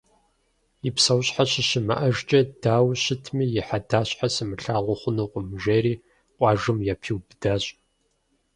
«И псэущхьэ щыщымыӀэжкӀэ дауэ щытми и хьэдащхьэр сымылъагъуу хъунукъым», – жери къуажэм япиубыдащ.